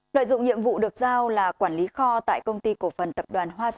đội dụng nhiệm vụ được giao là quản lý kho tại công ty cổ phần tập đoàn hoa sơn